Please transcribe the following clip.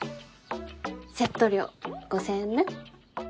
セット料５０００円ね。